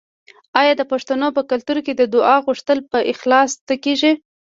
آیا د پښتنو په کلتور کې د دعا غوښتل په اخلاص نه کیږي؟